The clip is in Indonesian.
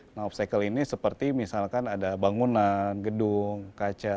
nah obstacle ini seperti misalkan ada bangunan gedung kaca